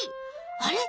あれ？